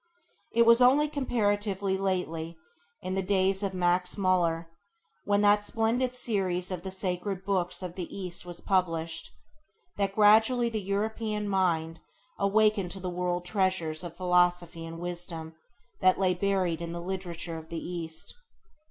It was only comparatively lately, in the days of Max Müller, when that splendid series of the Sacred Books of the East was published, that gradually the European mind awakened to the world treasures of philosophy and wisdom that lay buried in the literature of the East.